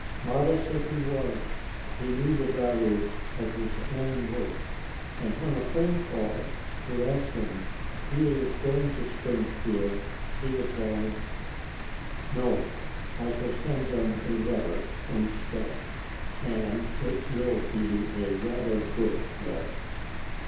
Modest as he was, he knew the value of his own work, and when a friend called to ask him if he was going to Springfield he replied, "No, I shall send them a letter instead; and it will be a rather good letter."